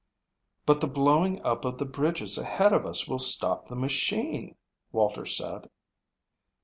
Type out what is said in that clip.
"But the blowing up of the bridges ahead of us will stop the machine," Walter said.